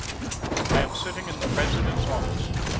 I am sitting in the President's office.